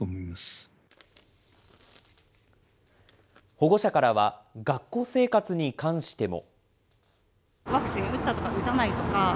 保護者からは、学校生活に関しても。